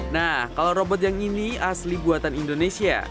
nah kalau robot yang ini asli buatan indonesia